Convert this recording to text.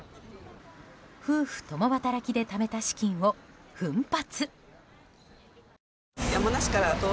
夫婦共働きでためた資金を奮発。